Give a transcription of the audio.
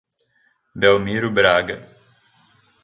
Belmiro Braga